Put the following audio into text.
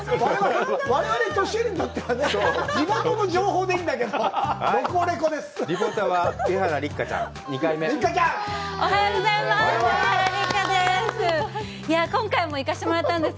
我々、年寄りにとってはね、「地元の情報」でいいんだけど、「ロコレコ！」です。